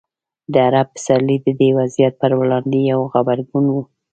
د عرب پسرلی د دې وضعیت پر وړاندې یو غبرګون و.